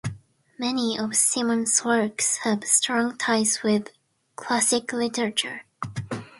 Many of Simmons' works have strong ties with classic literature.